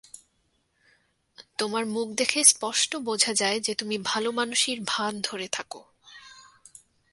তোমার মুখ দেখে স্পষ্ট বোঝা যায় যে তুমি ভালোমানুষির ভান ধরে থাকো।